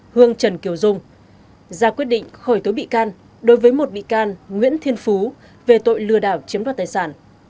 hương trần kiều dung ra quyết định khởi tố bị can đối với một bị can nguyễn thiên phú về tội lừa đảo chiếm đoạt tài sản